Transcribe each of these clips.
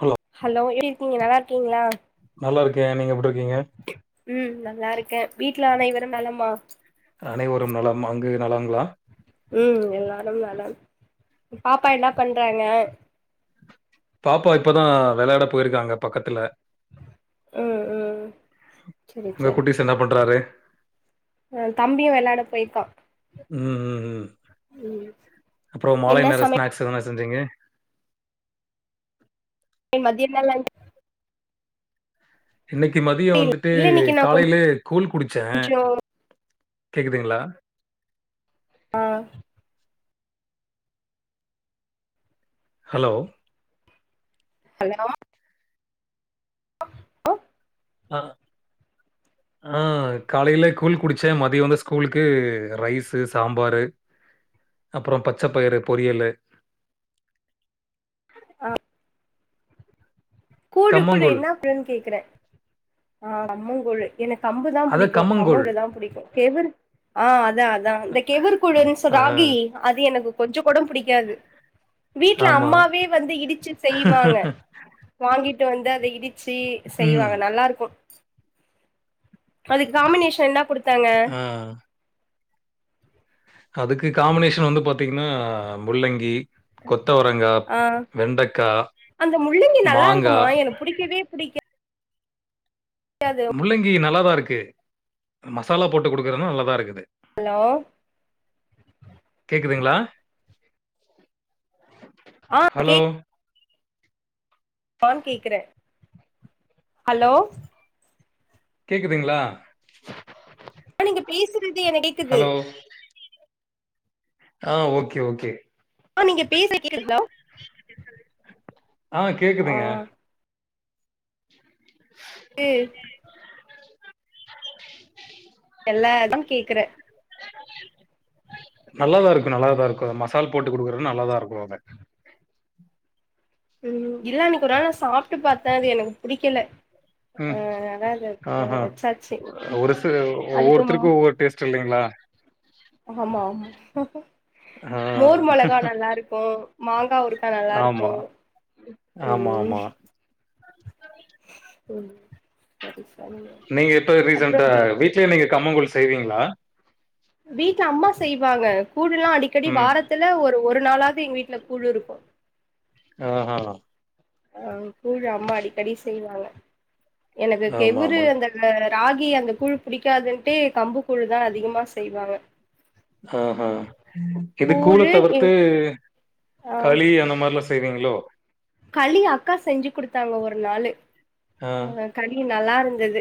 Hello hello எப்டிருக்கீங்க நல்லாருக்கீங்ளா நல்லாருக்கே நீங்க எப்டிருக்கீங்க ம் நல்லாருக்கே வீட்ல அனைவரும் நலமா அனைவரும் நலம் அங்கு நலங்ளா ம் எல்லாரும் நலம் பாப்பா என்ன பண்றாங்க பாப்பா இப்பதா வெளாட போயிருக்காங்க பக்கத்துல ம் ம் சரி உங்க சரி குட்டிஸ் என்ன பண்றாரு ஆ தம்பியு வெளாட போயிருக்கா ம் ம் ம் ம் அப்றோ மாலை என்ன நேர சமை ஸ்நாக்ஸ் எதுனா செஞ்சீங்க மதியோ என்ன லன் இன்னிக்கி மதியோ வந்துட்டு இல்ல இன்னைக்கு நா காலையிலே கூழ் குடிச்சே கொஞ்சோ கேக்குதுங்ளா ஆ ஹலோ ஹலோ ஆ ஆ காலைல கூழ் குடிச்ச மதியோ வந்து ஸ்கூலுக்கு ரைஸு சாம்பாரு அப்பறோ பச்ச பயரு பொரியலு ஆ கூழு கூழு கம்மங்கூழ். என்னா கூழுன்னு கேக்குற ஆ கம்மங்கூழு எனக்கு கம்புதா அதான் புடிக்கு கம்மங்கூழ். கம்மங்கூழுதா புடிக்கு கேவு ஆ அதா அதா இந்த கேவுரு கூழுனு சொ ஆ, ராகி அது எனக்கு கொஞ்சோ கூட புடிக்காது வீட்ல ஆமா. அம்மாவே வந்து இடிச்சு செய்வாங்க வாங்கிட்டு வந்து அத இடிச்சி ம். செய்வாங்க நல்லாருக்கு அதுக்கு காம்மினேஷன் என்னா குடுத்தாங்க ஆ அதுக்கு காம்மினேஷன் வந்து பாத்தீங்ன்னா முள்ளங்கி கொத்தவரங்கா ஆ வெண்டக்கா அந்த முள்ளங்கி நல்லா மாங்கா இருக்குமா எனக்கு புடிக்கவே புடிக்கா [unintelligible] முள்ளங்கி நல்லாதா இருக்கு மசாலா போட்டு குடுக்குறானா நல்லாதா இருக்குது ஹலோ கேக்குதுங்களா ஆ ஹலோ [unintelligible] கேக்குற ஹலோ கேக்குதுங்களா ப நீங்க பேசுறது என டி ஹலோ ஆ ஓகே ஓகே மா நீங்க பேசற்து [inaudible] ஆ ஆ கேக்குதுங்க ம் எல்லா எடம் கேக்குற நல்லாதா இருக்கு நல்லாதா இருக்கு மசால் போட்டு குடுக்குறது நல்லாதா இருக்கு அங்க ம் இல்ல அன்னைக்கு ஒரு நாள் நா சாப்ட்டு பாத்த அது எனக்கு புடிக்கல ம் அதனால அத இப்போ ஆஹா வச்சாச்சு ஒருத்து அதுக்கு ஒவ்வொருத்தருக்கு ம் ஒவ்வொரு டேஸ்ட் இல்லிங்களா ஆமா ஆமா ஆ. மோர் மொளகா நல்லாருக்கு மாங்கா ஊரு அ ஆமா. நல்லாருக்கு ஆமா, ம் ஆமா. ம் [inaudible] நீங்க எப்போ அப்றோ ரீசெண்டா பீ வீட்லயே நீங்க கம்மங்கூழ் செய்வீங்களா வீட்ல அம்மா செய்வாங்க கூழுலா அடிக்கடி ம். வாரத்துல ஒரு ஒரு நாளாவது எங்க வீட்ல கூழு இருக்கு ஆ ஹ ஆ கூழ் அம்மா அடிக்கடி செய்வாங்க எனக்கு கெவுரு ஆமாமா. அந்த அ ராகி அந்த கூழ் புடிக்காதுன்ட்டு கம்பு கூழுதா அதிகமா செய்வாங்க ஆஹா இது கூழ கூழு எ தவிர்த்து ஆ களி அந்த மாரிலா செய்வாங்ளோ களி அக்கா செஞ்சு குடுத்தாங்க ஒரு நாளு ஆ. களி நல்லாருந்தது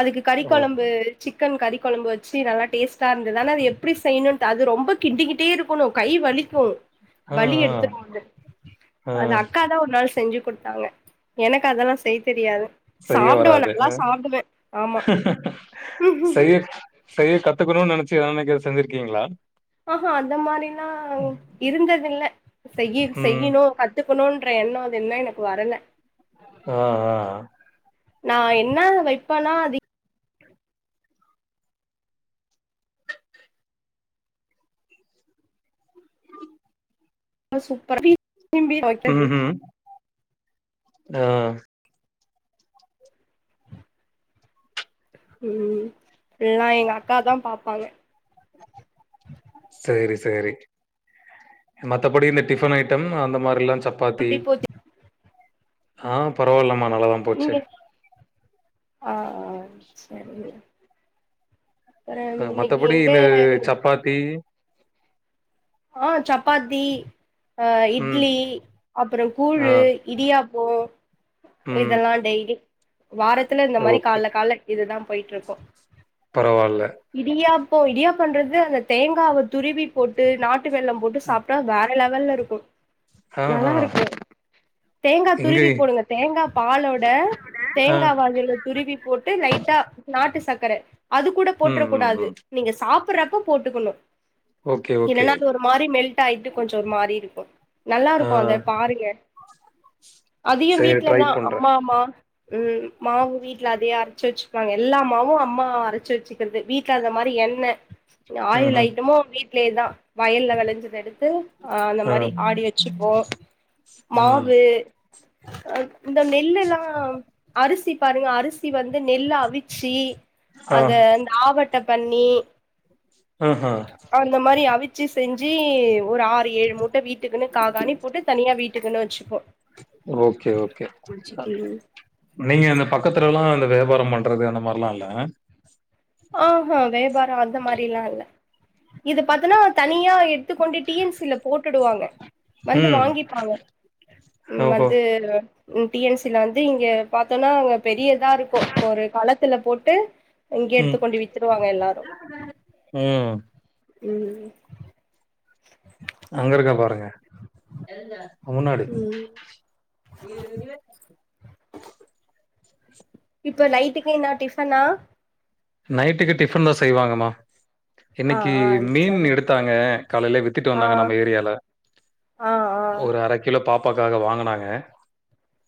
அதுக்கு கறி ஓ. கொழம்பு சிக்கன் கறி கொழம்பு வச்சு நல்லா டேஸ்ட்டாருந்தது ஆனா அது எப்டி செய்ணுன் அது ரொம்ப கிண்டிக்கிட்டேரு க்கணு கை வலிக்கு ஆ, வலி ஆ, எடுத்துடு வந்து ஆ. அத க்கா தா ஒர் நாள் செஞ்சு குடுத்தாங்க எனக்கு அதல்லா செய் தெரியாது செய்ய சாப்டுவே வராது நல்லா அ சாப்டுவே ஆமா செய்ய செய்ய கத்துக்கணுன் நெனச்சு எதா அன்னிக்கி செஞ்சிருக்கீங்களா ஆ ஹா அந்த மாரிலா இருந்ததில்ல செய்யி ம். செய்யணு க த்துக்கணுன்ற எண்ணோ அது இன்னு எனக்கு வரல ஆ ஆ ஆ நா என்ன வைப்பனா அது சூப்பரா‌ [inaudible] ம் ஹும் ஆ ம் எல்லா எங்க அக்கா தா பாப்பாங்க சேரி சேரி மத்தபடி இந்த டிஃபன் ஐட்டம் அந்த மாரிலா சப்பாத்தி எப்டி போச்சு ஆ பரவால்லம்மா நல்லா தா நீங்க ஆ ஆ சரி அ மத்தபடி இது சப்பாத்தி ஆ சப்பாத்தி ஆ ம். இட்லி அப்பறோ ஆ. கூழு இடியாப்போ ம். இதெல்லா டெய்லி வாரத்துல இந்த மாரி ஓகே. கால்ல கால்ல இதுதா போய்ட்ருக்கு பரவால்ல இடியாப்போ இடியாப்போன்றது அந்த தேங்காவ துருவி போட்டு நா ட்டு வெள்ளோ போட்டு சாப்ட்டா வேற லெவல்லருக்கு ஆ‌ ஹா தேங்கா துருவி போடுங்க தேங்கா பாலோட ஆ. தேங்காவ அதுல துருவி போட்டு லைட்டா நாட்டு சக்கர அது கூட ம், போட்றக்க ம், ம். கூடாது நீங்க சா ப்றப்ப போட்டுக்கணு ஓகே ஓகே இல்லன்னா அது ஒரு மாரி மெல்ட்டாயிட்டு கொஞ்சோ ஒரு மாரிருக்கு ஆ. நல்லாருக்கு அத பாருங்க அதயு சரி ட்ரை வீட்லதா பண்றேன். அம்மாம்மா ம் மாவு வீட்ல அதயே அரச்சு வச்சுப்பாங்க எல்லா மாவு அம்மா அரச்சு வச்சுக்கறது வீ ட்ல அந்த மாரி எண்ண ஆயில் ம்ஹ்ம். ஐட்டமு வீட்லயேதா வயல்ல வெளஞ்சத எடுத்து ஆ அந்த மாரி ஆடி வச்சுப்போ ம். மாவு அ இந்த நெல்லுல்லா அரிசி பாருங்க அரிசி வந்து நெல் அவிச்சி ஆ. அத இந்த ஆவட்ட பண்ணி ம் ஹும் அந்த மாரி அவிச்சி செஞ்சு ஒரு ஆறு ஏழு மூட்ட வீ ட்டுக்குன்னு காகாணி போட்டு தனியா வீட்டுக்குன்னு வச்சுப்போ ஓகே, ஓகே. ம் நீங்க அந்த பக்கத்துலல்லா அந்த வேபாரோ பண்றது அந்த மார்ல்லா இல்ல ஆ ஹா வேபாரோ அந்த மாரில்லா இல்ல இது பாத்தன்னா தனியா எத்துக்கொண்டு டி என் சி ல போட்டுடுவாங்க வந்து ம். வாங்கிப்பாங்க ம் ஓஹோ! வந்து டி என் சி ல வந்து இங்க பாத்தோம்னா அங்க பெரியதா இருக்கும் ஒரு களத்துல போட்டு இங்கயே ம். எடுத்துக் கொண்டு வித்துருவாங்க எல்லாரும் ம். ம் அங்க இருக்கா பாருங்க முன்னாடி ம் [inaudible] இப்போ நைட்டுக்கு என்ன டிஃபனா நைட்டுக்கு டிஃபன் தான் செய்வாங்கம்மா ஆ இன்னைக்கு ஆ மீன் சரி எடுத்தாங்க காலைல வித்துட்டு ஆ வந்தாங்க நம்ம ஏரியால ஆ ஆ ஒரு அரை கிலோ பாப்பாக்காக வாங்கனாங்க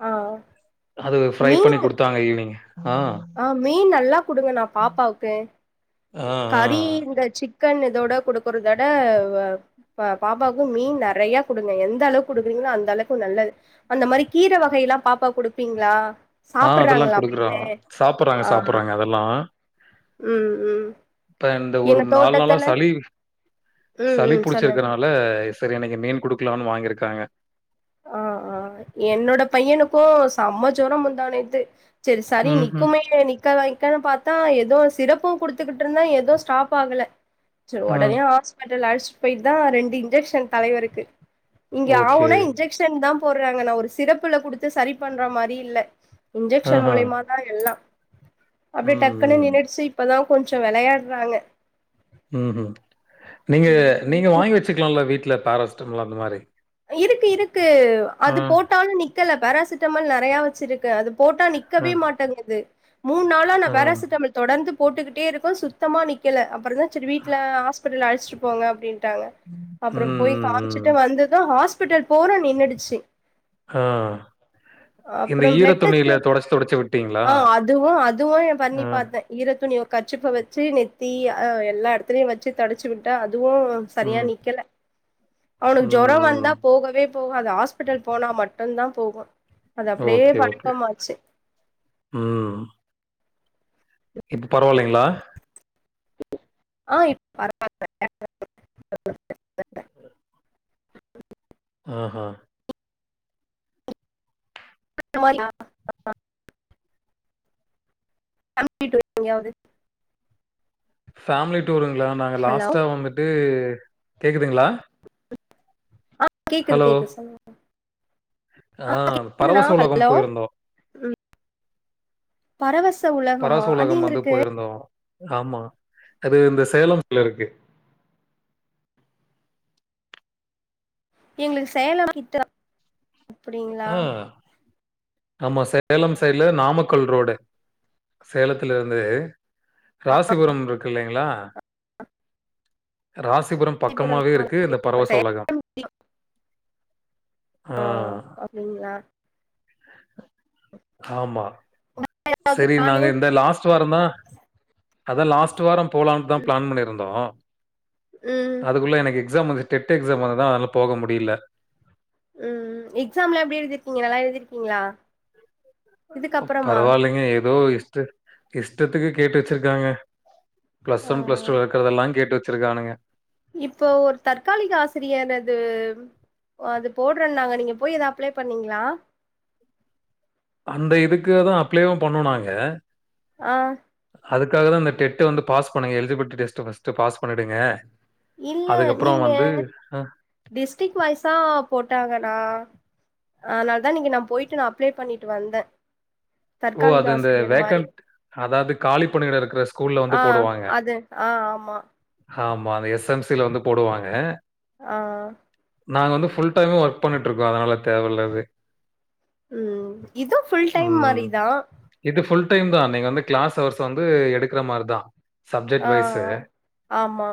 ஆ அது ஃப்ரை மீன் பண்ணி கொடுத்தாங்க ஈவினிங் ஆ ஆ மீன் நல்லா கொடுங்கன்னா பாப்பாவுக்கு ஆ, ஆ. கறி இந்த சிக் கன் இதோட குடுக்குறத விட அ பாப்பாவுக்கு மீன் நறையா குடுங்க எந்த அளவுக்கு குடுக்குறீங்களோ அந்த அளக்கு நல்லது அந்த மாரி கீரை வகையெல்லாம் பாப்பா குடுப்பீங்களா ஆ அதெல்லாம் சாப்புட்றாங்களா குடுக்குறோ மென்னு சாப்பிட்றாங்க ஆ சாப்பிட்றாங்க அதல்லாம் ம் ம் இப்ப இந்த ஒரு எங்க நாள் நாளா தோட்டத்துல சளி ம் சளி ம் சொல்லுங்க புடிச்சிருக்கறனா ல சேரி இன்னைக்கு மீன் குடுக்கலாம்னு வாங்கிருக்காங்க ஆ ஆ என்னோட பையனுக்கும் சம ஜோரம் முந்தாநேத்து சேரி சளி ம்ஹ்ம். நிக்குமே நிக் க வைக்க வைக்கன்னு பாத்தா எதோ சிறப்பும் குடுத்துக்கிட்டு இருந்த எதோ ஸ்டாப் ஆகல சோ ஆ. உடனே ஹாஸ்பிட்டல் அழச்சிட்டு போய்ட்டு தான் ரெண்டு இன்ஜெக்ஷன் தலைவர்க்கு இங்க ஓகே. ஆஓனா இன்ஜெக்ஷன் தான் போடுறாங்க நான் ஒரு சிறப்புல குடுத்து சரி பண்ற மாரி இல்ல இன்ஜெக்ஷன் ஆஹா. மூலியமா தான் எல்லா அப்டே ம், டக் குனு ம். நின்னுடுச்சி இப்பதான் கொஞ்சோ விளையாடுறாங்க ம் ம் நீங்க ம் நீங்க வாங்கி வச்சுக்கலால வீட்ல பேராசிட்டமல் அந்த மாரி இருக்கு இருக்கு ஆ, அது போட்டாலும் நிக்கல பேராசிட்டமல் நறையா வச்சிருக்க அது போட்டா நி ஆ, நிக்கவே மாட்டேங்குது மூணு நாளா ஆ. நான் பேராசிட்டாமல் தொடர்ந்து போட்டுக்கிட்டே இருக்க சுத்தமாக நிக்கல அப்பறம் தான் சரி வீட்ல ஹாஸ்பிட்டல் அழச்சிட்டு போங்க அப்டின்னு ட்டாங்க அப்றோம் ம், போய் ம், காமிச்சுட்டு ம். வந்ததும் ஹாஸ்பிட்டல் போறோம் நின்னுடுச்சி அ அப்றோம் பிளட்டெஸ்ட் தொடச்சு தொடச்சு விட்டீங்களா? ஆ அதுவு அதுவும் என் பண்ணி ஆ, பார்த்தே ஈர துணிய கச்சிப்ப வச்சி நெத்தி அ எல்லா இடத்துலையும் வச்சு தொடச்சி விட்ட அதுவும் சரியா ம், நிக்கல ம், அவனுக்கு ஜொரம் ம். வந்தா போகவே போவாது ஹாஸ்பிட்டல் போனா மட்டும் தான் போகும் ஓகே ஓகே ம் இப்போ பரவாயில்லைங்களா ஆ இப் பரவால ம் ஆஹா [inaudible] ஃபேமிலி டூருங்களா நாங்க ஹலோ லாஸ்ட்டா வந்துட்டு கேட்குதுங்களா ஆ கேக்குது கேக்குது சொல்லுங்க ஆ கேக்குதுனா பரவச உலகம் ஹலோ போய்ருந்தோ பரவச உல பரவச உலகம் வந்து போயிருந்தோ ஆமா அது இந்த சேலம்ல இருக்கு எங்களுக்கு சேலம் கிட்ட [inaudible] அப்படிங்களா நம்ம சேலம் சைடுல நாமக்கல் ரோடு சேலத்துல இருந்து ராசிபுரம் இருக்கு இல்லைங்களா ராசிபுரம் காஞ்சிபுரம் பக்கமாவே இருக்கு இந்த பரவச உலகம் சேலம் ஹ நீங்க யார் ஆமா சேரி நானு நாங்க இந்த லாஸ்ட் வாரோ தா அதா லாஸ்ட் வாரம் போலான்தான் பிளான் பண்ணியிருந்தோ உம் அதுக்குள்ளே எனக்கு எக்ஸாம் வந்து டெட் எக்ஸாம் வந்ததா அதனால போக முடியல ம் ம் எக்ஸாம் எல்லா எப்படி எழுதிருக்கீங்க நல்லா எழுதிருக்கீங்களா இதுக்கப்புறமா பரவாயிலைங்க ஏதோ இஷ்ட இஷ்டத்துக்கு கேட்டு வச்சிருக்காங்க பிளஸ் ஆ ஒன் பிளஸ் டூ ல இருக்குரதெல்லா கேட்டு வச்சிருக்கானுங்க இப்போ ஒரு தற்காலிக ஆசிரியா அது அது போடுறேன் நாங்கள் நீங்கள் போய் எது அப்ளை பண்ணீங்களா அந்த இதுக்கே தான் அப்ளேவு பண்ணோ நாங்க ஆ அதுக்காக தா அந்த டெட் வந்து பாஸ் பண்ணுங்க எல்ஜிபிலிட்டி டெஸ்ட் பாஸ் பண்ணிடுங்க அதுக்கப்புறோ வந்து ஹ டிஸ்ட்ரிக் வைஸ்ஸா போட்டாங்கன்னா ஆ அதான் இன்னக்கி போயிட்டு நான் அப்ளே பண்ணிட்டு வந்தே ஓ அது இந்த வேக்கண் அதாது காளி பணியிட இருக்கிற ஸ்கூல்ல வந்து ஆ போடுவாங்க அது ஆ ஆமா. ஆமா அது எஸ்எம்சில வந்து போடுவாங்க ஆ நாங்கள் வந்து ஃபுல் டைம ஒர்க் பண்ணிட்டு இருக்கோ அதனால தேவையில்ல அது ம் இது ஃபுல் டைம் மாதிரி ம். தான் இது புல் டைம் தான் நீங்க வந்து கிளாஸ் அவர்ஸ் வந்து எடுக்கிற மாதிரிதா சப்ஜெக்ட் ஆ வைஸ் ஆ. ஆமா.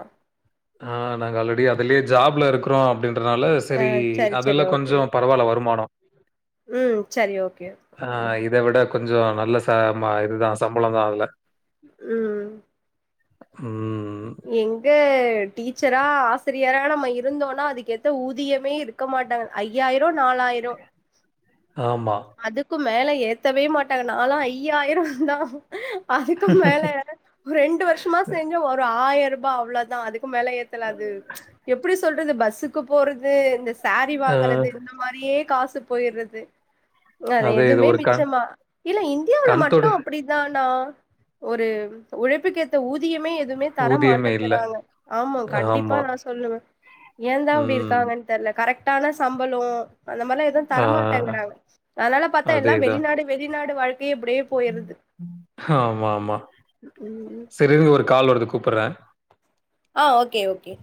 ஆஹ் நாங்க ஆல்ரெடி அதுலயே ஜாப்ல இருக்குறோ அப்படின்றனால அ சேரி சரி, அதுல்ல சரி. ஓகே, கொஞ்சோ ஓகே. பரவாயில்ல வருமானம் ம். சரி, ஓகே. ஆ இதவி ட கொஞ்சோ நல்ல ச இதுதான் சம்பளம் தான் அதுல உ உ எங்க டீச்சரா ஆசிரியரா நம்ம இருந்தோனா அதுக்க எந்த ஊதியமே இருக இருக்க மாட்டாங்க ஐயாயிரோ நாலாயிரோ ஆமா அதுக்கு மேல ஏத்தவே மாட்டாங்க நால ஐயாயிரம் தா அதுக்கு மேல ஒரு ரெண்டு வருஷமா செஞ்ச ஒரு ஆயிரம் ரூபாய் அவ்ளோதான் அதுக்கு மேல ஏத்தலாது எப்படி சொல்றது பஸ்ஸுக்கு போறது இந்த சாரி ஆ வாங்குறது இந்த மாதிரியே காசு போயிடுறது அது இது எதுமே ஒரு கண் மிச்சமா இல்ல இந்தியாவுல கண்தொடை மட்டும் அப்டி ஒரு உழைப்புக்கு ஏத்த ஊதியமே எதுவுமே தர ஊதியமே இல்ல. மாட்டேங்கிறாங்க ஆமா கண்டிப்பா ஆமா. நான் சொல்லுவ ஏன் தான் இன்ப்படி ம். இருக்காங்க தெர்ல கரெக்டான சம்பளோ அந்த மாதிரிலா எதுவும் தர ஆ மாட்டேங்கிறாங்க அதனால பார்த்தா எல்லாம் வெளிநாடு ப்டியே வெளிநாடு வாழ்க்கையே இப்டி ஆமா ஆமா ம் சரிங்க ஒரு கால் வருது கூப்புடுற ஆ ஓகே ஓகே